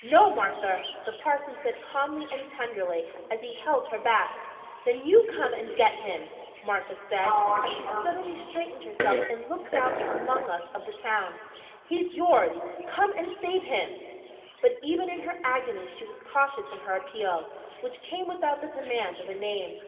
"No, Martha," the parson said calmly and tenderly, as he held her back. "Then you come and get him," Martha said, as she suddenly straightened herself and looked out among us of the Town. "He's yours come and save him!" But even in her agony she was cautious in her appeal, which came without the demand of a name.